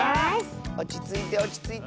おちついておちついて。